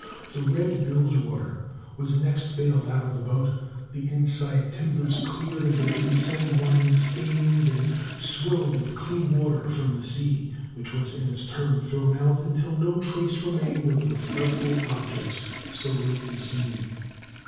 The red bilge water was next baled out of the boat, the inside timbers cleared of their ensanguined stains, and swilled with clean water from the sea; which was in its turn thrown out, until no trace remained of the frightful objects so lately seen.